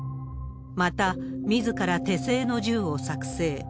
また、みずから手製の銃を作製。